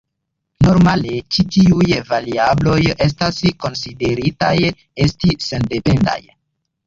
Normale ĉi tiuj variabloj estas konsideritaj esti sendependaj.